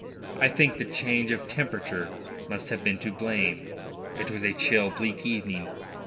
I think the change of temperature must have been to blame. It was a chill, bleak evening.